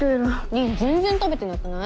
凛全然食べてなくない？